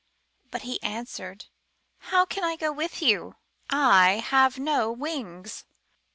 But he answered, *^How can I go with you? I have no wings.